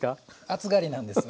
熱がりなんです。